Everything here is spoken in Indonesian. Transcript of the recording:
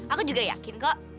aku juga yakin kok